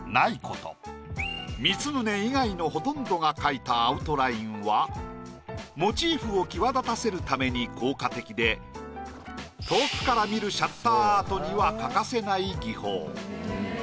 光宗以外のほとんどが描いたアウトラインはモチーフを際立たせるために効果的で遠くから見るシャッターアートには欠かせない技法。